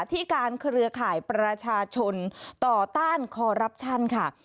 ที่การเครือข่ายประชาชนต่อต้านคอรับชันค่ะ